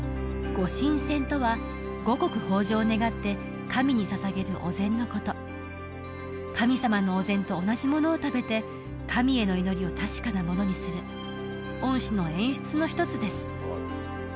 御神饌とは五穀豊穣を願って神に捧げるお膳のこと神様のお膳と同じものを食べて神への祈りを確かなものにする御師の演出の一つです